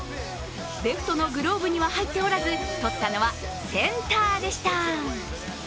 レフトのグローブには入っておらずとったのは、センターでした。